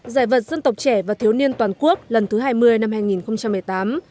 giải vật dân tộc trẻ và thiếu niên toàn quốc lần thứ hai mươi năm hai nghìn một mươi tám